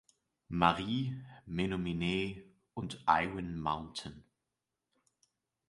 Marie, Menominee und Iron Mountain.